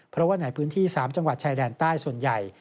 เพราะว่าในพื้นที่๓จังหวัดชายแดนใต้ส่วนใหญ่